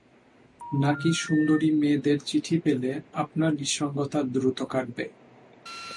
নাকি সুন্দরী মেয়েদের চিঠি পেলে আপনার নিঃসঙ্গতা দ্রুত কাটবে?